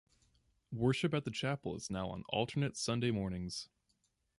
Worship at the chapel is now on alternate Sunday mornings.